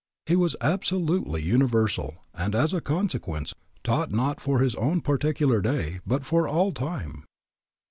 He was absolutely universal and as a consequence taught not for his own particular day, but for all time.